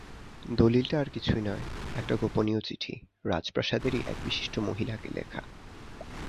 দলিলটা আর কিছুই নয়, একটা গোপনীয় চিঠি, রাজপ্রাসাদেরই এক বিশিষ্ট মহিলাকে লেখা।